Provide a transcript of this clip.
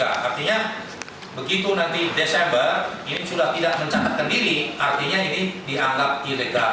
artinya begitu nanti desember ini sudah tidak mencatatkan diri artinya ini dianggap ilegal